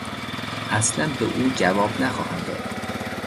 اصلا به او جواب نخواهم داد!